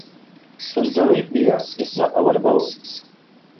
Suntory beer is not available.